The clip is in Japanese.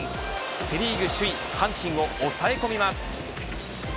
セ・リーグ首位、阪神を抑え込みます。